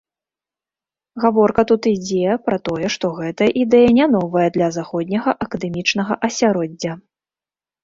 Гаворка тут ідзе пра тое, што гэтая ідэя не новая для заходняга акадэмічнага асяроддзя.